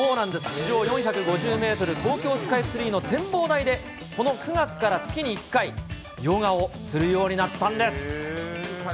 地上４５０メートル、東京スカイツリーの展望台で、この９月から月に１回、ヨガをするようになったんです。